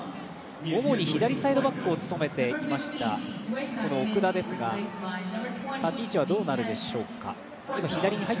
主に左サイドバックを務めていました奥田ですが立ち位置はどうなるでしょうか。